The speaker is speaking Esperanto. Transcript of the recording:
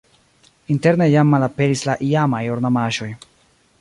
Interne jam malaperis la iamaj ornamaĵoj.